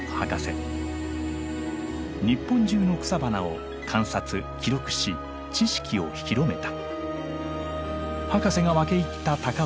日本中の草花を観察記録し知識を広めた。